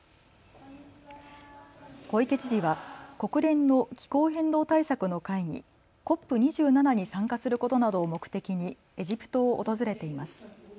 小池知事は国連の気候変動対策の会議、ＣＯＰ２７に参加することなどを目的にエジプトを訪れています。